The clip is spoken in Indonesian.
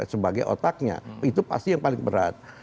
sebagai otaknya itu pasti yang paling berat